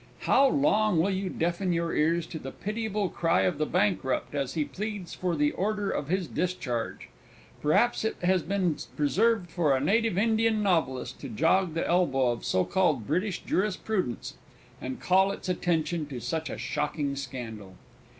How long will you deafen your ears to the pitiable cry of the bankrupt as he pleads for the order of his discharge? Perhaps it has been reserved for a native Indian novelist to jog the elbow of so called British jurisprudence, and call its attention to such a shocking scandal.